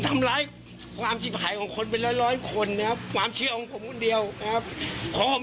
เราก็ไม่ต้องเป็นผู้ชมฟังเนี่ยครับ